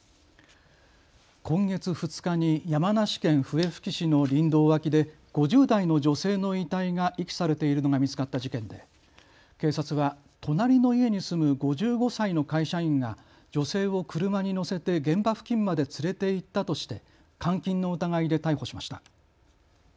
今月２日に山梨県笛吹市の林道脇で５０代の女性の遺体が遺棄されているのが見つかった事件で警察は隣の家に住む５５歳の会社員が女性を車に乗せて現場付近まで連れて行ったとして監禁の疑いで逮捕しました。